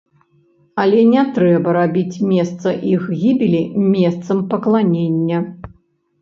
Але не трэба рабіць месца іх гібелі месцам пакланення.